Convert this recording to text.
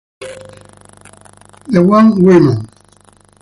The One Woman